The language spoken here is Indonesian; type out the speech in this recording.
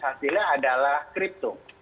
hasilnya adalah kripto